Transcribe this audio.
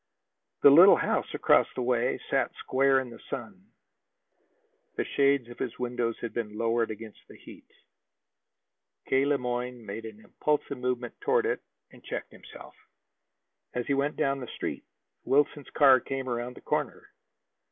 The little house across the way sat square in the sun. The shades of his windows had been lowered against the heat. K. Le Moyne made an impulsive movement toward it and checked himself. As he went down the Street, Wilson's car came around the corner.